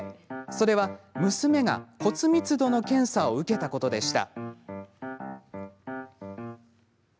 それは、娘が骨密度の検査を受けたことでした。